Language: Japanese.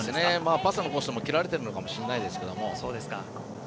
パスのコースも切られてるのかもしれないですけど。